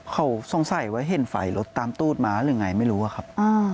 เขาสงสัยว่าเห็นไฟรถตามตูดมาหรือไงไม่รู้อะครับ